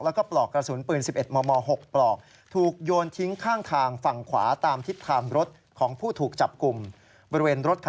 แล้วก็ปลอกกระสุนปืน๑๑มม๖ปลอก